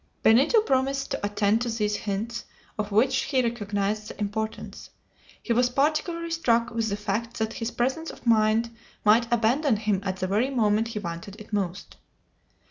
Benito promised to attend to these hints, of which he recognized the importance. He was particularly struck with the fact that his presence of mind might abandon him at the very moment he wanted it most.